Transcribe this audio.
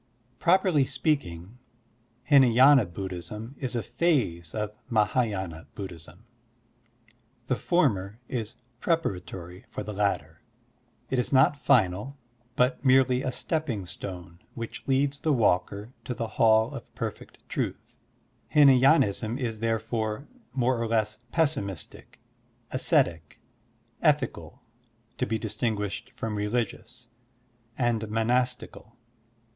Properly speaking, Htnay^na Buddhism is a phase of Mah^yina Buddhism. The former is preparatory for the latter. It is not final, but merely a stepping stone which leads the walker to the hall of perfect truth. Hinaydnism is therefore more or less pessimistic, ascetic, ethical (to be distinguished from religious), and monas tical.